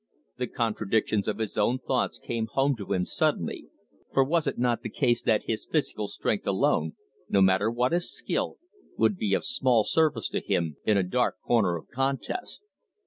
The contradictions of his own thoughts came home to him suddenly, for was it not the case that his physical strength alone, no matter what his skill, would be of small service to him in a dark corner of contest?